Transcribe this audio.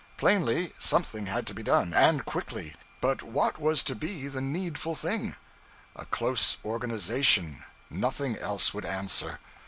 Plainly, something had to be done, and quickly; but what was to be the needful thing. A close organization. Nothing else would answer.